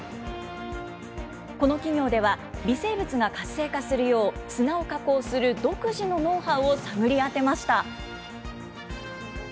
この企業では、微生物が活性化するよう砂を加工する独自のノウハウを探り当てました。